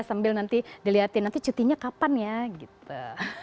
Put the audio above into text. sambil nanti dilihatin nanti cutinya kapan ya gitu